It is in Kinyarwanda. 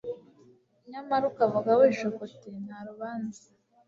Nyamara ukavuga wishuka uti Nta rubanza